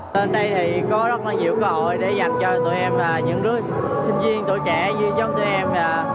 tên đây thì có rất là nhiều cơ hội để dành cho tụi em những đứa sinh viên tụi trẻ như chúng tụi em